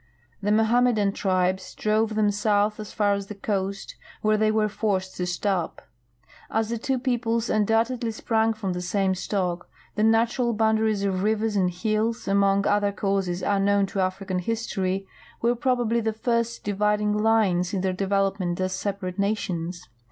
The Mohammedan tribes drove them south as far as the coast, where they were forced to stop. As the two peoples undoubtedly sprang from the same stock, the natural boundaries of rivers and hills, among other causes unknown to African history, were probably the first dividing lines in their development as separate nations.